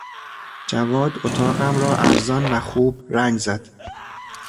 جواد اتاقم را ارزان و خوب رنگ زد.